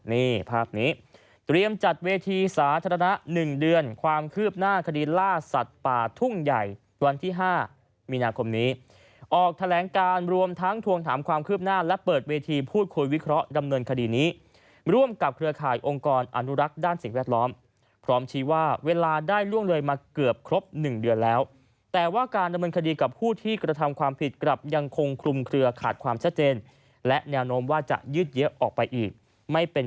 นี่ภาพนี้เตรียมจัดเวทีสาธารณะ๑เดือนความคืบหน้าคดีล่าสัตว์ป่าทุ่งใหญ่วันที่๕มีนาคมนี้ออกแถลงการรวมทั้งทวงถามความคืบหน้าและเปิดเวทีพูดคุยวิเคราะห์ดำเนินคดีนี้ร่วมกับเครือข่ายองค์กรอนุรักษ์ด้านสิ่งแวดล้อมพร้อมชี้ว่าเวลาได้ล่วงเลยมาเกือบครบ๑เดือนแล้วแต่ว